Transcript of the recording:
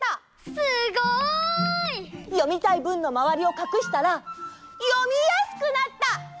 すごい！読みたいぶんのまわりをかくしたら読みやすくなった！